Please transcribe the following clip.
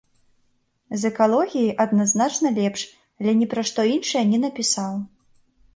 З экалогіяй адназначна лепш, але ні пра што іншае не напісаў.